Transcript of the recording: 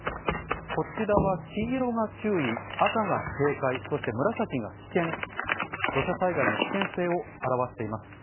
こちらは黄色が注意、赤が警戒、そして紫が危険、土砂災害の危険性を表しています。